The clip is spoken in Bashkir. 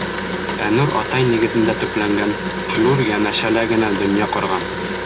Әнүр атай нигеҙендә төпләнгән, Флүр йәнәшәлә генә донъя ҡорған.